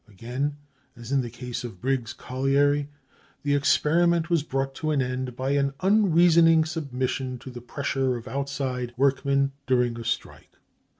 Again, as in the case of the Briggs colliery, the experiment was brought to an end by an unreasoning submission to the pressure of outside workmen during a strike.